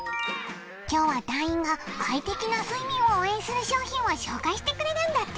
今日は団員が快適な睡眠を応援する商品を紹介してくれるんだって。